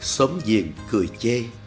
sớm diền cười chê